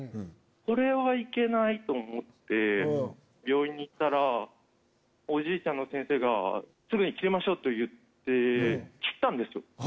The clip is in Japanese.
これはいけないと思って病院に行ったらおじいちゃんの先生がすぐに切りましょう！と言って切ったんですよ。